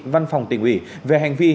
văn phòng tỉnh ủy về hành vi